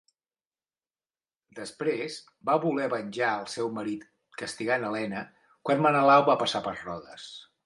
Després va voler venjar el seu marit castigant Helena, quan Menelau va passar per Rodes.